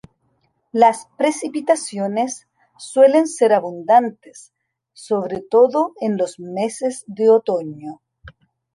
Las precipitaciones suelen ser abundantes, sobre todo en los meses de otoño.